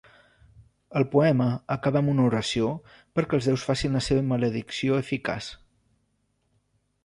El poema acaba amb una oració perquè els déus facin la seva maledicció eficaç.